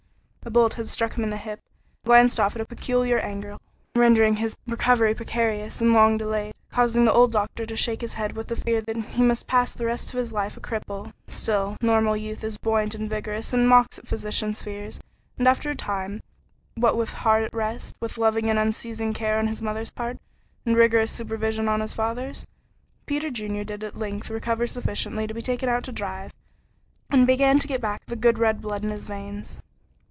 A bullet had struck him in the hip and glanced off at a peculiar angle, rendering his recovery precarious and long delayed, and causing the old doctor to shake his head with the fear that he must pass the rest of his life a cripple. Still, normal youth is buoyant and vigorous and mocks at physicians' fears, and after a time, what with heart at rest, with loving and unceasing care on his mother's part, and rigorous supervision on his father's, Peter Junior did at length recover sufficiently to be taken out to drive, and began to get back the good red blood in his veins.